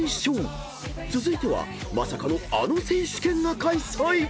［続いてはまさかのあの選手権が開催］